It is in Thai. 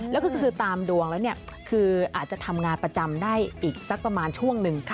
แล้วก็คือตามดวงแล้วคืออาจจะทำงานประจำได้อีกสักประมาณช่วงหนึ่ง